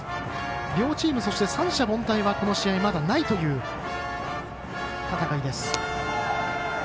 両チーム、三者凡退はこの試合まだないという戦いです。